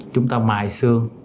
chúng ta mài xương